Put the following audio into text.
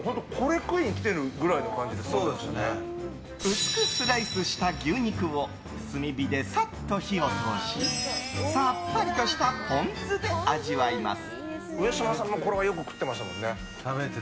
薄くスライスした牛肉を炭火でサッと火を通しさっぱりとしたポン酢で味わいます。